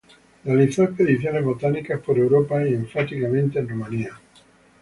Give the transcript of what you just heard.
Realizó expediciones botánicas por Europa, y enfáticamente en Rumania.